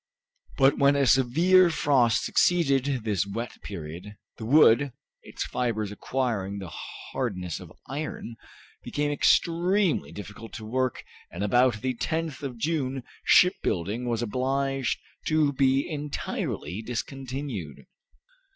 But when a severe frost succeeded this wet period, the wood, its fibers acquiring the hardness of iron, became extremely difficult to work, and about the 10th of June shipbuilding was obliged to be entirely discontinued.